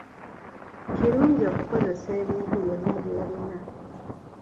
Kirungi okukozesa ebintu byonna by'olina.